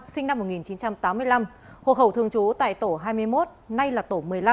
sinh năm một nghìn chín trăm tám mươi năm hộ khẩu thường trú tại tổ hai mươi một nay là tổ một mươi năm